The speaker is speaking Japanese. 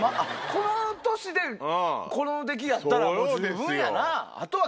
この年でこの出来やったらもう十分やな。